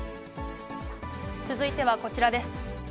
続いてはこちらです。